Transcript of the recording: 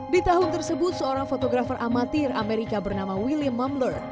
di tahun tersebut seorang fotografer amatir amerika bernama william mumler